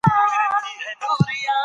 څوک تر ټولو ډیر علم لري؟